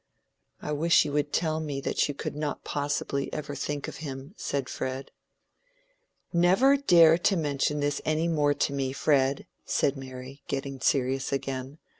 "I wish you would tell me that you could not possibly ever think of him," said Fred. "Never dare to mention this any more to me, Fred," said Mary, getting serious again.